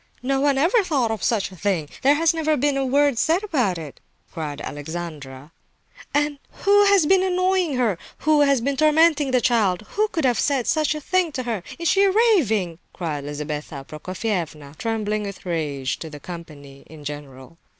"No one ever thought of such a thing! There has never been a word said about it!" cried Alexandra. "Who has been annoying her? Who has been tormenting the child? Who could have said such a thing to her? Is she raving?" cried Lizabetha Prokofievna, trembling with rage, to the company in general.